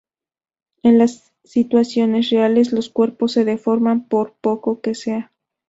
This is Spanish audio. En las situaciones reales, los cuerpos se deforman, por poco que sea.